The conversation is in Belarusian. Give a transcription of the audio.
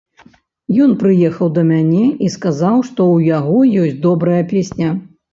Ён прыехаў да мяне і сказаў, што ў яго ёсць добрая песня.